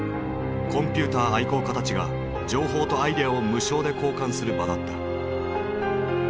コンピューター愛好家たちが情報とアイデアを無償で交換する場だった。